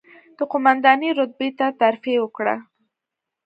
د قوماندانۍ رتبې ته ترفېع وکړه،